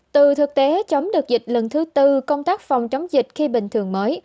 từ thực tế chống được dịch lần thứ tư công tác phòng chống dịch khi bình thường mới